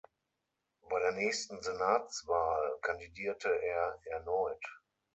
Bei der nächsten Senatswahl kandidierte er erneut.